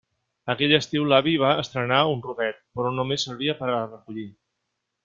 Aquell estiu l'avi va estrenar un rodet, però només servia per a recollir.